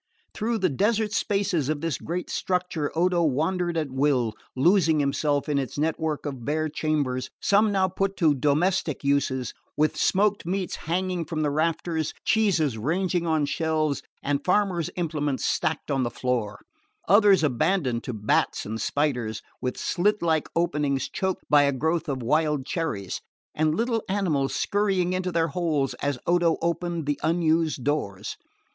Through the desert spaces of this great structure Odo wandered at will, losing himself in its network of bare chambers, some now put to domestic uses, with smoked meats hanging from the rafters, cheeses ranged on shelves and farmer's implements stacked on the floor; others abandoned to bats and spiders, with slit like openings choked by a growth of wild cherries, and little animals scurrying into their holes as Odo opened the unused doors.